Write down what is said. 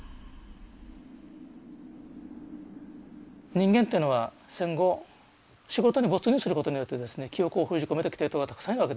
人間っていうのは戦後仕事に没入することによってですね記憶を封じ込めてきてる人がたくさんいるわけですよね。